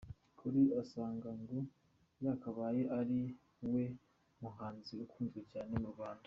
Kuri asanga ngo yakabaye ari we muhanzi ukunzwe cyane mu Rwanda.